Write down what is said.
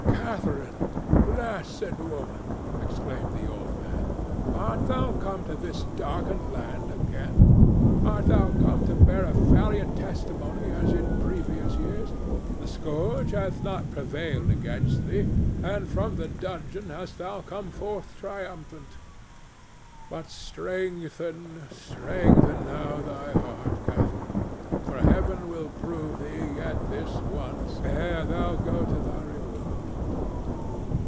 "Catharine, blessed woman," exclaimed the old man, "art thou come to this darkened land again? Art thou come to bear a valiant testimony as in former years? The scourge hath not prevailed against thee, and from the dungeon hast thou come forth triumphant, but strengthen, strengthen now thy heart, Catharine, for Heaven will prove thee yet this once ere thou go to thy reward."